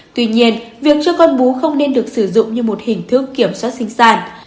tuy nhiên việc cho con bú không nên được sử dụng như một hình thức kiểm soát sinh sản